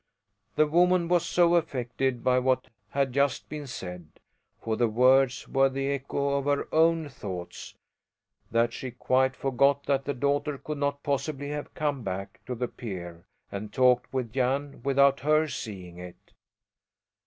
The woman was so affected by what had just been said for the words were the echo of her own thoughts that she quite forgot that the daughter could not possibly have come back to the pier and talked with Jan without her seeing it.